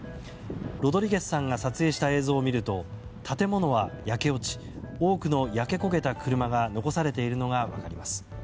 ロドリゲスさんが撮影した映像を見ると建物は焼け落ち多くの焼け焦げた車が残されているのが分かります。